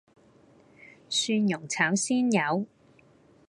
蒜蓉炒鮮魷